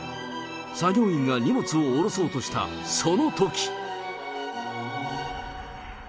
作業員が荷物を降ろそうとしたそのとき。